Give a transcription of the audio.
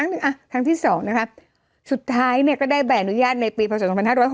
อ่าจะได้แบบเอ่อทำงานดีดีอะไรอย่างเงี้ยครับน่ะผมก็เลย